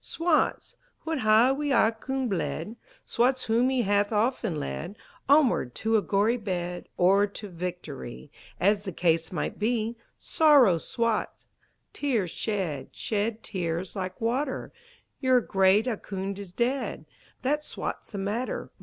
Swats wha hae wi' Ahkoond bled, Swats whom he hath often led Onward to a gory bed, Or to victory, As the case might be, Sorrow Swats! Tears shed, Shed tears like water, Your great Ahkoond is dead! That Swats the matter!